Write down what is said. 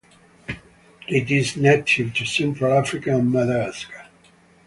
It is native to central Africa and Madagascar.